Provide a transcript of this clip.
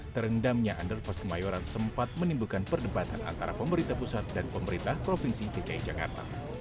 terendamnya underpass kemayoran sempat menimbulkan perdebatan antara pemerintah pusat dan pemerintah provinsi dki jakarta